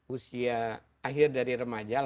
usia akhir dari remaja